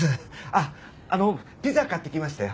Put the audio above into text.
あっあのピザ買ってきましたよ。